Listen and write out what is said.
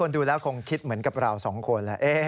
ดูแล้วคงคิดเหมือนกับเราสองคนแล้ว